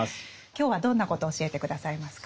今日はどんなことを教えて下さいますか？